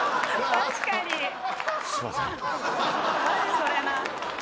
マジそれな。